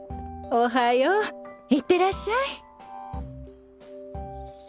おはよう行ってらっしゃい。